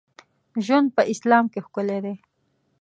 ژوند په اسلام ښکلی دی.